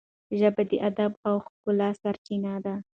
ژبه د ادب او ښکلا سرچینه ده.